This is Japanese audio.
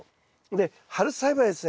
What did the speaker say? で春栽培はですね